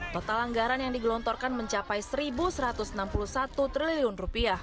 total anggaran yang digelontorkan mencapai rp satu satu ratus enam puluh satu triliun